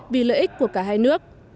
vì lợi ích của cả hai nước